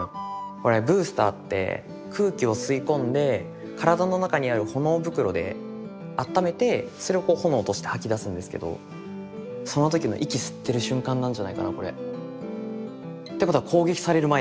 これブースターって空気を吸い込んで体の中にある炎袋であっためてそれを炎として吐き出すんですけどその時の息吸ってる瞬間なんじゃないかなこれ。ってことは攻撃される前ってことですね。